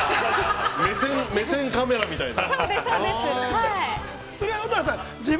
◆目線カメラみたいな？